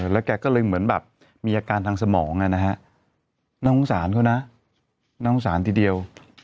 แล้วแกก็เลยเหมือนแบบมีอาการทางสมองนะฮะน่าสงสารเขานะน่าสงสารทีเดียว